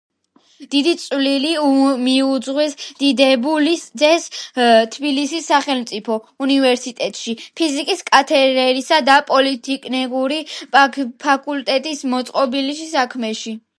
დიდი წვლილი მიუძღვის დიდებულიძეს თბილისის სახელმწიფო უნივერსიტეტში ფიზიკის კათედრისა და პოლიტექნიკური ფაკულტეტის მოწყობის საქმეში.